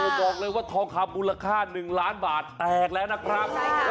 บอกเลยว่าท้องทำบูรค่าหนึ่งล้านบาทแตกแล้วนะครับใช่ค่ะ